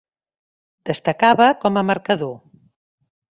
Destacava com a marcador.